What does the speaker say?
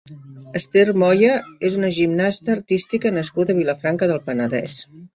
Esther Moya és una gimnasta artística nascuda a Vilafranca del Penedès.